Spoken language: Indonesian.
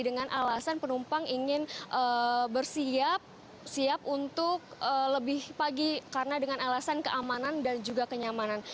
dengan alasan penumpang ingin bersiap siap untuk lebih pagi karena dengan alasan keamanan dan juga kenyamanan